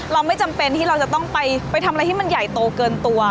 เราไม่จำเป็นที่เราจะต้องไปทำอะไรที่มันใหญ่โตเกินตัว